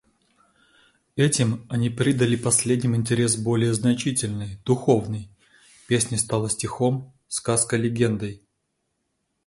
Этим они придали последним интерес более значительный, духовный; песня стала стихом, сказка легендой.